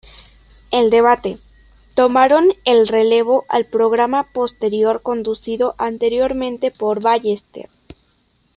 El debate" tomaron el relevo al programa posterior conducido anteriormente por Ballester.